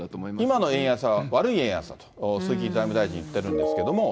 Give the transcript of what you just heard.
今の円安は悪い円安だと、鈴木財務大臣は言ってるんですけど。